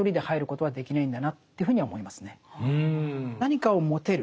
何かを持てる